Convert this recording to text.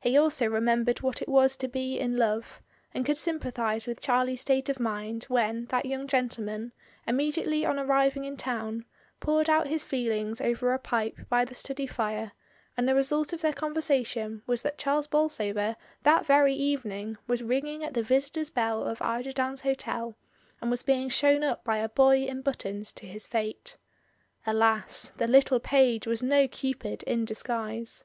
He also remembered what it was to be in love, and could sympathise with Charlie's state of mind when that young gentleman, immediately on arriving in town, poured out his feelings over a pipe by the study fire; and the result of their con versation was that Charles Bolsover that very even ing was ringing at the visitors' bell of Eiderdown's Hotel, and was being shown up by a boy in but tons to his fate. Alas! the little page was no cupid in disguise.